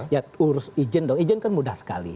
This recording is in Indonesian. ya urus izin dong izin kan mudah sekali